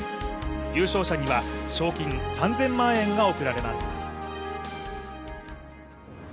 優勝者には賞金３０００万円が贈られます。